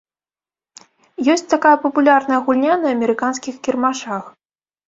Ёсць такая папулярная гульня на амерыканскіх кірмашах.